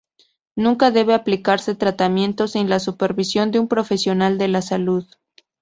Nunca debe aplicarse tratamiento sin la supervisión de un profesional de la salud.